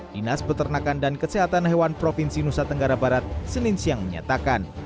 dinas peternakan dan kesehatan hewan provinsi nusa tenggara barat senin siang menyatakan